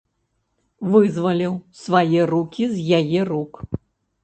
Вызваліў свае рукі з яе рук.